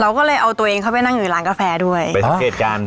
เราก็เลยเอาตัวเองเข้าไปนั่งอยู่ร้านกาแฟด้วยไปสังเกตการณ์